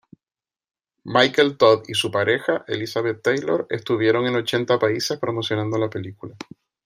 Michael Todd y su pareja Elizabeth Taylor estuvieron en ochenta países promocionando la película.